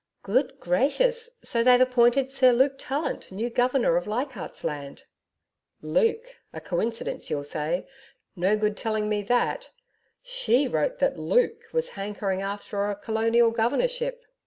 'Good gracious! So they've appointed Sir Luke Tallant new Governor of Leichardt's Land!' 'Luke! A coincidence you'll say. No good telling me that. SHE wrote that "Luke" was hankering after a colonial governorship.'